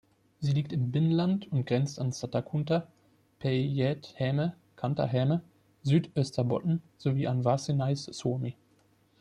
Sie liegt im Binnenland und grenzt an Satakunta, Päijät-Häme, Kanta-Häme, Südösterbotten sowie an Varsinais-Suomi.